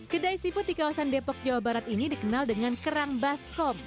kedai seafood di kawasan depok jawa barat ini dikenal dengan kerang baskom